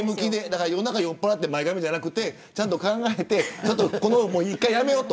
夜中に酔っぱらって前髪とかじゃなくてちゃんと考えてこれを１回やめようと。